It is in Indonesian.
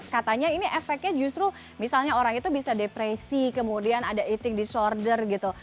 katanya ini efeknya justru misalnya orang itu bisa depresi kemudian ada eating disorder gitu